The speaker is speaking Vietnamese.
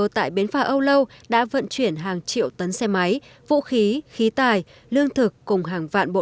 tại bến phà âu lâu đã vận chuyển hàng triệu tấn xe máy vũ khí khí tài lương thực cùng hàng vạn bộ